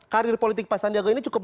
karir politik pak sandiaga ini cukup